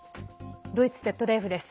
ドイツＺＤＦです。